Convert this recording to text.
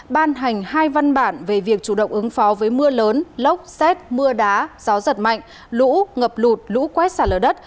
ban hành hai văn bản về việc chủ động ứng phó với mưa lớn lốc xét mưa đá gió giật mạnh lũ ngập lụt lũ quét xả lở đất